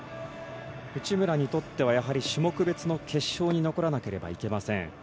内村にとっては種目別の決勝に残らなければいけません。